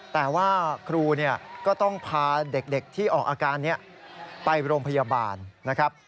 แต่ว่าครูก็ต้องพาเด็กที่ออกอาการนี้ไปโรงพยาบาลนะครับ